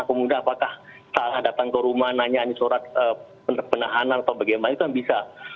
kemudian apakah datang ke rumah nanya surat penahanan atau bagaimana itu yang bisa